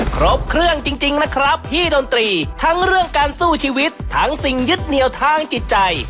ครบเครื่องจริงนะครับพี่ดนตรีทั้งเรื่องการสู้ชีวิตทั้งสิ่งยึดเหนียวทางจิตใจ